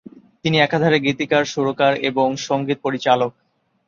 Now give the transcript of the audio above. তিনি একাধারে গীতিকার, সুরকার এবং সঙ্গীত পরিচালক।